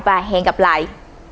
và hẹn gặp lại